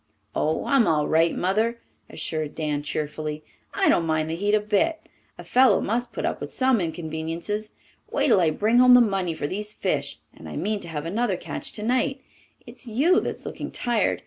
"Oh, I'm all right, Mother," assured Dan cheerfully. "I don't mind the heat a bit. A fellow must put up with some inconveniences. Wait till I bring home the money for these fish. And I mean to have another catch tonight. It's you that's looking tired.